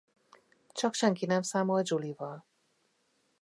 Csak senki nem számol Julie-val.